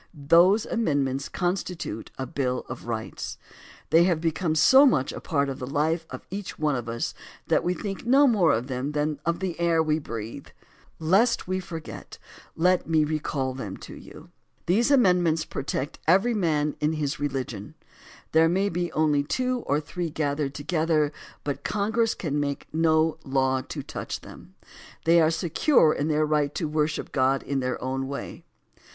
Those amendments constitute a Bill of Rights. They have become so much a part of the life of each one of us that we think no more of them than of the air we breathe. Lest we forget, let me recall some of them to you. These amendments protect every man in his religion. There may be only two or three gathered together, but Congress can make no law to touch them. They are secure in their right to worship God in their own way.